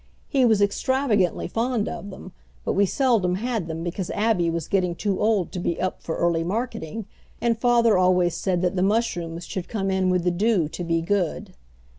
He was extravagantly fond of them, but we seldom had them because Abby was getting too old to be up for early marketing, and father always said that mushrooms should come in with the dew to be good.